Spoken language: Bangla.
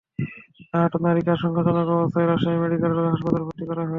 আহত নারীকে আশঙ্কাজনক অবস্থায় রাজশাহী মেডিকেল কলেজ হাসপাতালে ভর্তি করা হয়েছে।